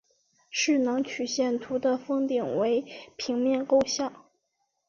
势能曲线图的峰顶为平面构象。